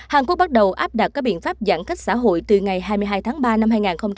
hàn quốc bắt đầu áp đặt các biện pháp giãn cách xã hội từ ngày hai mươi hai tháng ba năm hai nghìn hai mươi